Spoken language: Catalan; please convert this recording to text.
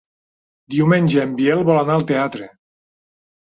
Diumenge en Biel vol anar al teatre.